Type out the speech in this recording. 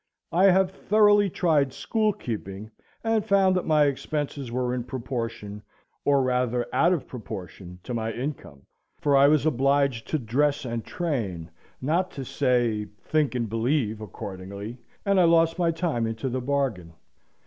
I have thoroughly tried school keeping, and found that my expenses were in proportion, or rather out of proportion, to my income, for I was obliged to dress and train, not to say think and believe, accordingly, and I lost my time into the bargain.